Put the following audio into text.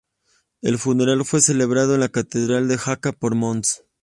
El funeral fue celebrado en la Catedral de Jaca por Mons.